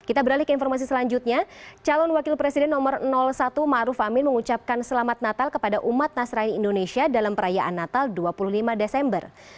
kita beralih ke informasi selanjutnya calon wakil presiden nomor satu maruf amin mengucapkan selamat natal kepada umat nasrani indonesia dalam perayaan natal dua puluh lima desember